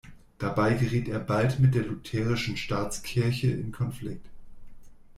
Dabei geriet er bald mit der lutherischen Staatskirche in Konflikt.